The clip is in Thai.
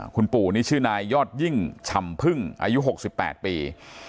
คุณปู่นี่ชื่อนายยอดยิ่งชำพึ่งอายุ๖๘ปี